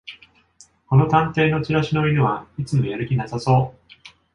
この探偵のチラシの犬はいつもやる気なさそう